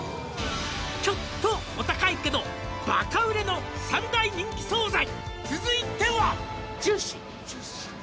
「ちょっとお高いけどバカ売れの３大人気惣菜」